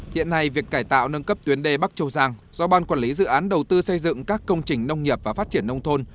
hiện nay việc cải tạo nâng cấp tuyến đê bắc châu giang do ban quản lý dự án đầu tư xây dựng các công trình nông nghiệp và phát triển nông thôn